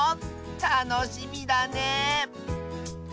たのしみだね！